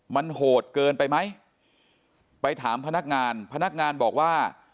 มันโหดเกินไปไหมไปถามพนักงานพนักงานบอกว่า